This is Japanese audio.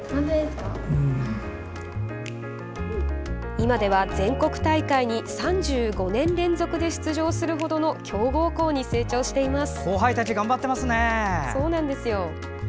今では、全国大会に３５年連続で出場するほどの強豪校に成長しています。